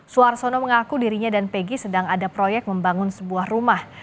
suarsono mengaku dirinya dan pegi sedang ada proyek membangun sebuah rumah